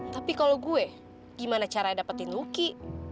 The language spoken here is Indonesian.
tapi kalau gue gimana caranya dapetin luki